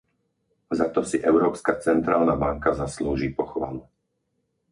Za to si Európska centrálna banka zaslúži pochvalu.